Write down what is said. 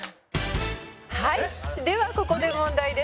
「はいではここで問題です」